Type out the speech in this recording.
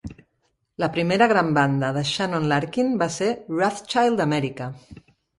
La primera gran banda de Shannon Larkin va ser Wrathchild America.